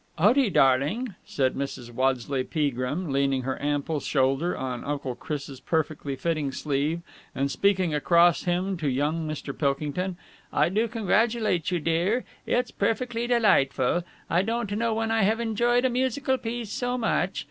"Otie, darling," said Mrs. Waddesleigh Peagrim, leaning her ample shoulder on Uncle Chris' perfectly fitting sleeve and speaking across him to young Mr. Pilkington, "I do congratulate you, dear. It's perfectly delightful! I don't know when I have enjoyed a musical piece so much.